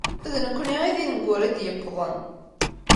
D nekkni i d ineggura i d-yewwḍen.